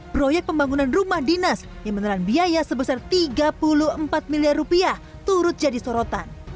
proyek pembangunan rumah dinas yang menelan biaya sebesar tiga puluh empat miliar rupiah turut jadi sorotan